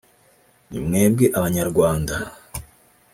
ni mwebwe abanyarwanda